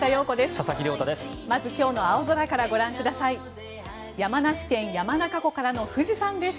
佐々木亮太です。